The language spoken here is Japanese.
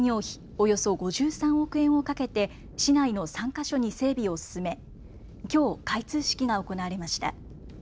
およそ５３億円をかけて市内の３か所に整備を進めきょう開通式が行われました。